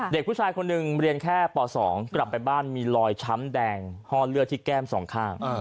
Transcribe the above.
เด็กผู้ชายคนหนึ่งเรียนแค่ป๒กลับไปบ้านมีรอยช้ำแดงห้อเลือดที่แก้มสองข้าง